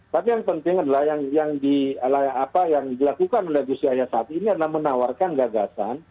tapi yang penting adalah yang dilakukan oleh gus yahya saat ini adalah menawarkan gagasan